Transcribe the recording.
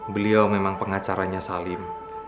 beliau memang pengacaranya salim